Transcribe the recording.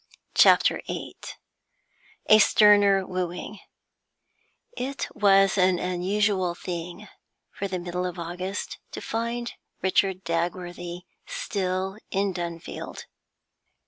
CHAPTER VIII A STERNER WOOING It was an unusual thing for the middle of August to find Richard Dagworthy still in Dunfield.